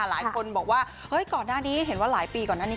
หลายคนบอกว่าเฮ้ยก่อนหน้านี้เห็นว่าหลายปีก่อนหน้านี้